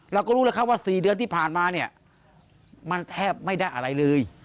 เราก็รู้แล้วครับว่า๔เดือนที่ผ่านมาเนี่ยมันแทบไม่ได้อะไรเลย